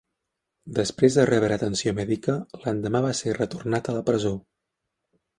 Després de rebre atenció mèdica, l'endemà va ser retornat a la presó.